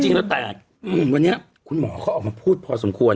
จริงแต่วันนี้คุณหมอก็พูดพอสมควร